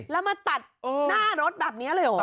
แล้วมาตัดหน้ารถแบบนี้เลยเหรอ